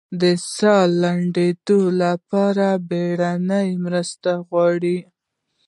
د ساه د لنډیدو لپاره بیړنۍ مرسته وغواړئ